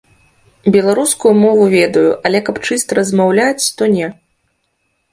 Беларускую мову ведаю, але каб чыста размаўляць, то не.